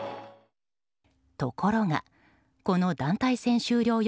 ところがこの団体戦終了